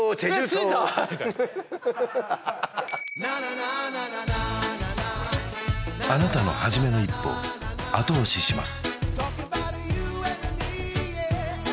「えっ着いた！」みたいなあなたのはじめの一歩後押しします